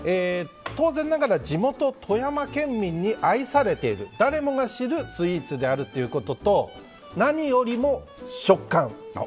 当然ながら地元・富山県民に愛されている誰もが知るスイーツであるということと何よりも食感。